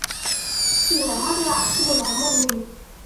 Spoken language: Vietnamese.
Khi nhắm mắt lại Trinh nói một mình